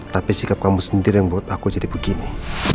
tapi sikap kamu sendiri yang buat aku jadi begini